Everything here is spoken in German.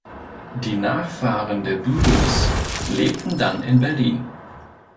Die Nachfahren der Bülows lebten dann in Berlin.